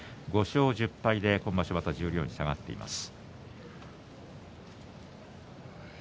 ５勝１０敗で、今場所また十両に下がっています。